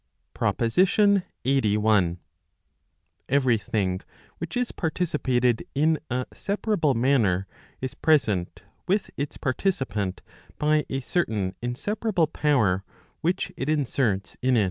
PROPOSITION LXXXI. Every thing which is participated in a separable manner, is present with its participant by a certain inseparable power which it inserts in it.